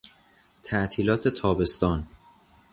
تعطیلات تابستان